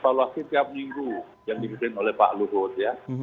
evaluasi tiap minggu yang dipimpin oleh pak luhut ya